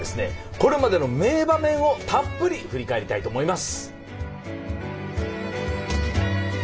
これまでの名場面をたっぷり振り返りたいと思います。